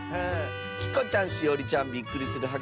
きこちゃんしおりちゃんびっくりするはっ